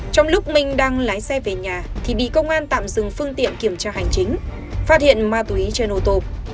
trong lúc minh đang lái xe về nhà thì bị công an tạm dừng phương tiện kiểm tra hành chính phát hiện ma túy trên ô tô